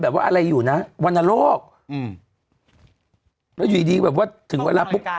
แบบว่าอะไรอยู่น่ะวณโรคอืมแล้วอยู่ดีดีกว่าถึงเวลาใกล้